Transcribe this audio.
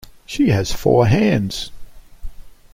She has four hands.